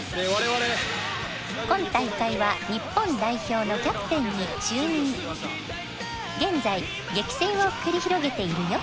今大会は日本代表のキャプテンに就任現在激戦を繰り広げているよ